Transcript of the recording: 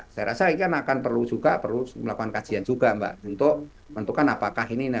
saya rasa ini kan akan perlu juga perlu melakukan kajian juga mbak untuk menentukan apakah ini